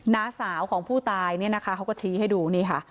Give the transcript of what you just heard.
น้าสาวของผู้ตายเนี่ยนะคะเขาก็ชี้ให้ดูนี่ค่ะ